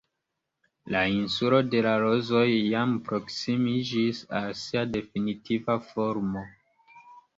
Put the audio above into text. La Insulo de la Rozoj jam proksimiĝis al sia definitiva formo.